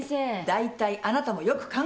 大体あなたもよく考えなさいよ。